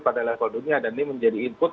pada level dunia dan ini menjadi input